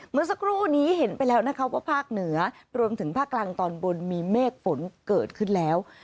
เมื่อสักครู่นี้เห็นไปแล้วนะคะว่าภาคเหนือรวมถึงภาคกลางตอนบนมีเมฆฝนเกิดขึ้นแล้ว